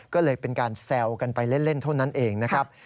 ก็เลยเป็นการแซวกันไปเล่นเท่านั้นเองนะครับ